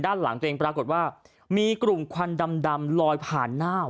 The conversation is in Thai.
ด้านหลังตัวเองปรากฏว่ามีกลุ่มควันดำลอยผ่านหน้า